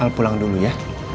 al pulang dulu ya